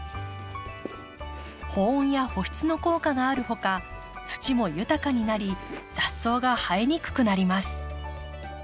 保温や保湿の効果があるほか土も豊かになり雑草が生えにくくなります。